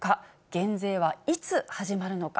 減税はいつ始まるのか？